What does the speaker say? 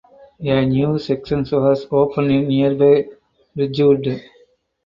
A new section was opened in nearby Ridgewood.